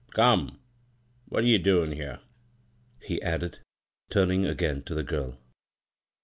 Come, what ye doin' here?" he added, turning again to the giri.